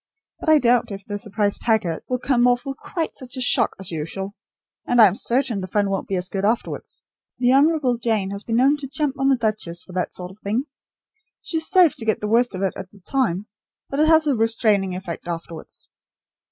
But I doubt if the 'surprise packet' will come off with quite such a shock as usual, and I am certain the fun won't be so good afterwards. The Honourable Jane has been known to jump on the duchess for that sort of thing. She is safe to get the worst of it at the time, but it has a restraining effect afterwards."